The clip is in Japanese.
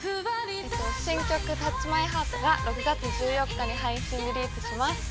◆新曲「Ｔｏｕｃｈｍｙｈｅａｒｔ」が６月１４日に配信リリースします。